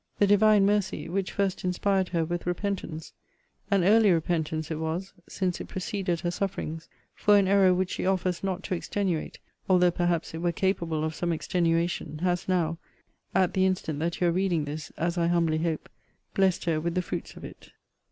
The Divine mercy, which first inspired her with repentance (an early repentance it was; since it preceded her sufferings) for an error which she offers not to extenuate, although perhaps it were capable of some extenuation, has now, as the instant that you are reading this, as I humbly hope, blessed her with the fruits of it.